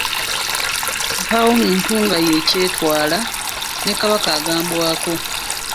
Mpaawo muntu nga ye kyetwala ne Kabaka agambwako.